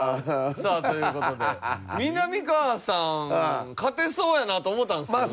さあという事でみなみかわさん勝てそうやなと思ったんですけどね。